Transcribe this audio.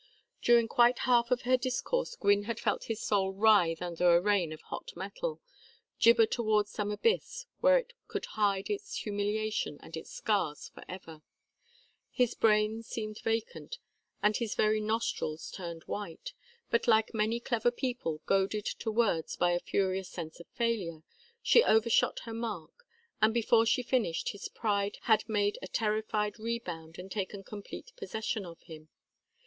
During quite half of her discourse Gwynne had felt his soul writhe under a rain of hot metal, gibber towards some abyss where it could hide its humiliation and its scars for ever. His brain seemed vacant and his very nostrils turned white. But like many clever people goaded to words by a furious sense of failure, she overshot her mark, and before she finished his pride had made a terrified rebound and taken complete possession of him.